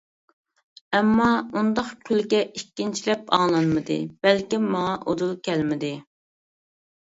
ئەمما ئۇنداق كۈلكە ئىككىنچىلەپ ئاڭلانمىدى، بەلكىم ماڭا ئۇدۇل كەلمىدى.